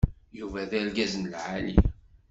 Yuba d argaz n lɛali.